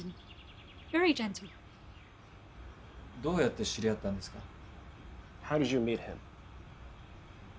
どうやって知り合ったんですか？